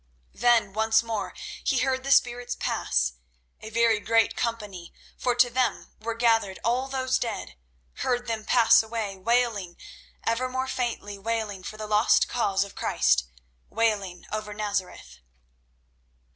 Then once more he heard the spirits pass—a very great company, for to them were gathered all those dead—heard them pass away, wailing, ever more faintly wailing for the lost cause of Christ, wailing over Nazareth.